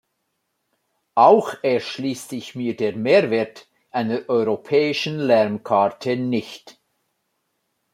Auch erschließt sich mir der Mehrwert einer europäischen Lärmkarte nicht.